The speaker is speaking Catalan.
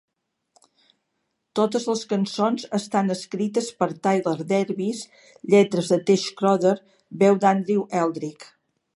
Totes les cançons estan escrites per Tyler Davis, lletres de T. Schroeder, veu d'Andrew Eldritch.